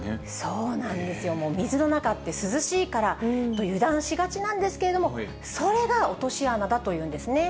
そうなんですよ、もう水の中って涼しいからと油断しがちなんですけれども、それが落とし穴だというんですね。